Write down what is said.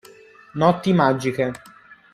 Notti magiche